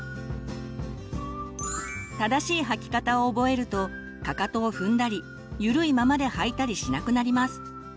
正しい履き方を覚えるとかかとを踏んだりゆるいままで履いたりしなくなります。